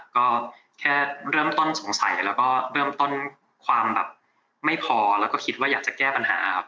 ก็แค่เริ่มต้นสงสัยแล้วก็เริ่มต้นความแบบไม่พอแล้วก็คิดว่าอยากจะแก้ปัญหาครับ